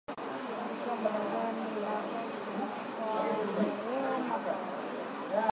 kupitia ‘Barazani’ na ‘Swali la Leo’, 'Maswali na Majibu', na 'Salamu Zenu'.